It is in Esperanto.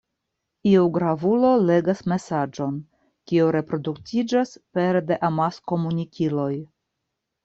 Iu gravulo legas mesaĝon, kiu reproduktiĝas pere de amaskomunikiloj.